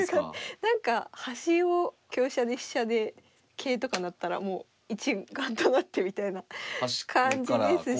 何か端を香車で飛車で桂とかなったらもう一丸となってみたいな感じですし。